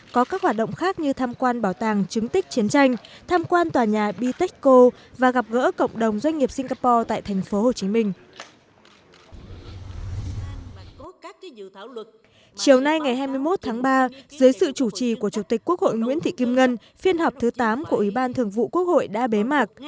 chủ tịch quốc hội nguyễn thị kim ngân phiên họp thứ tám của ủy ban thường vụ quốc hội đã bế mạc